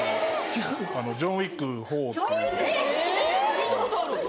聞いたことある。